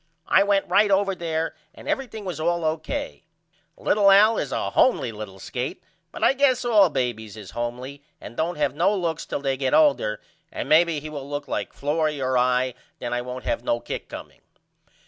I went right over there and everything was all O.K. Little Al is a homely little skate but I guess all babys is homely and don't have no looks till they get older and maybe he will look like Florrie or I then I won't have no kick comeing.